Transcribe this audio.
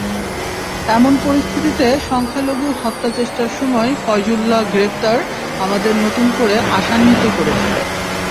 এমন পরিস্থিতিতে সংখ্যালঘু হত্যাচেষ্টার সময় ফয়জুল্লাহ গ্রেপ্তার আমাদের নতুন করে আশান্বিত করেছিল।